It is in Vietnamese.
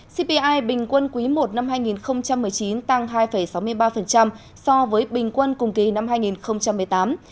cpi bình quân quý i năm hai nghìn một mươi chín tăng hai sáu mươi ba so với bình quân cùng kỳ năm hai nghìn một mươi tám